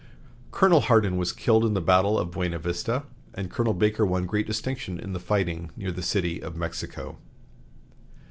Colonel Hardin was killed in the battle of Buena Vista, and Colonel Baker won great distinction in the fighting near the City of Mexico.